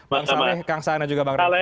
bang saleh kang saan dan juga bang ray